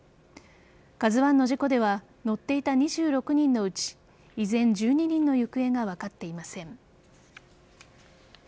「ＫＡＺＵ１」の事故では乗っていた２６人のうち依然、１２人の行方が分かっていません。